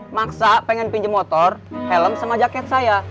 maksa pengen pinjem motor helm sama jaket saya